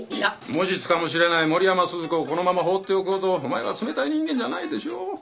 無実かもしれない森山鈴子をこのまま放っておくほどお前は冷たい人間じゃないでしょねっ？